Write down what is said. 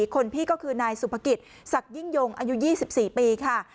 คนพี่ก็คือนายสุภกิจศักดิ่งยงอายุ๒๔ปีค่ะ